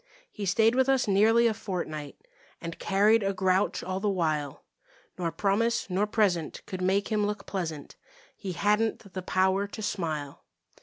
He stayed with us nearly a fortnight And carried a grouch all the while, Nor promise nor present could make him look pleasant; He hadn't the power to smile.